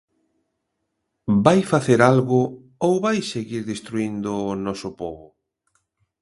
¿Vai facer algo ou vai seguir destruíndo o noso pobo?